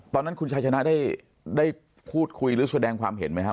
ตอนนั้นคุณชายชนะได้พูดคุยหรือแสดงความเห็นไหมครับ